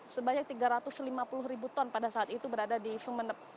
sebanyak tiga ratus lima puluh ribu ton pada saat itu berada di sumeneb